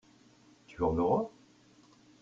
Tu en auras ?